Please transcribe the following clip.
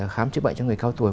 khám chữa bệnh cho người cao tuổi